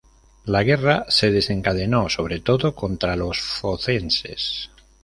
La guerra se desencadenó sobre todo contra los focenses.